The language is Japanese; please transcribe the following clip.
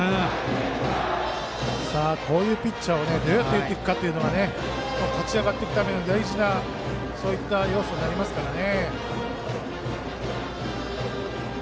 こういうピッチャーをどうやっていくかというのが勝ち上がっていくための大事な要素になりますからね。